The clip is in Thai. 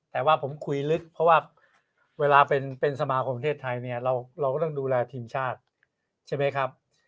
แต่ว่าผมคุยลึกเพราะว่าเวลาเป็นสมาคมประเทศไทยเนี่ยเราก็ต้องดูแลทีมชาติใช่ไหมครับ